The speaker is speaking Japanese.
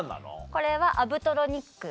これはアブトロニック。